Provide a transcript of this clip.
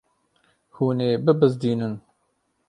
Hûn ê bibizdînin.